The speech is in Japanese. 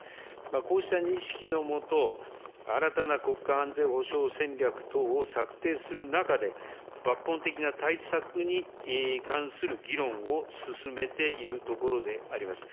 こうした認識の下、新たな国家安全保障戦略等を策定する中で、抜本的な対策に関する議論を進めているところであります。